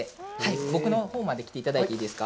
僕のほうまで来ていただいてよろしいですか。